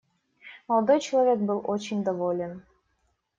Молодой человек был очень доволен.